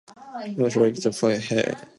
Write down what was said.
No report was heard from her.